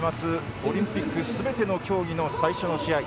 オリンピック全ての競技の最初の試合。